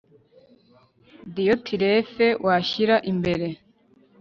Diyotirefe wishyira imbere